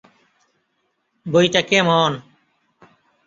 বইটা কেমন?